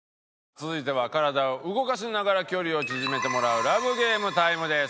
続いては体を動かしながら距離を縮めてもらうＬＯＶＥＧＡＭＥＴＩＭＥです。